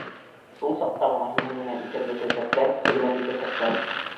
Шул саҡта ғына һинең менән иҫәпләшәсәктәр, хөрмәт итәсәктәр.